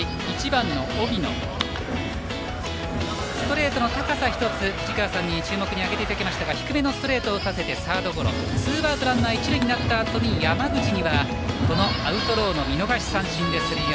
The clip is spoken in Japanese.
１番の荻野ストレートの高さ１つ藤川さんに注目に挙げていただきましたが低めのストレートを打たせてサードゴロツーアウトランナー一塁となったあとに山口にはアウトローの見逃しの三振です。